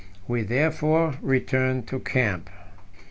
We therefore returned to camp.